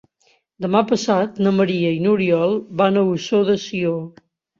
Demà passat na Maria i n'Oriol van a Ossó de Sió.